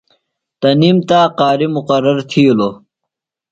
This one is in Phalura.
تنِم تا قاری مُقرر تِھیلوۡ۔